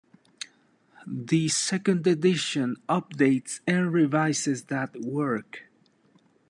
The second edition updates and revises that work.